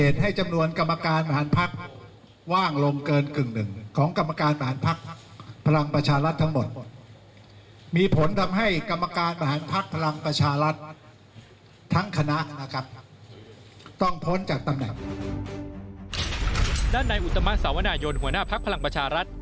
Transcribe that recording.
ด้านในอุตมะสาวนายนหัวหน้าภักดิ์พลังประชารัฐ